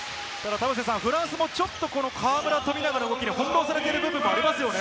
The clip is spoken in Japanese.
田臥さん、フランスも河村、富永の動きに翻弄されている部分、ありますね。